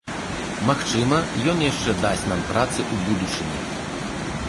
Магчыма, ён яшчэ дасць нам працы ў будучыні.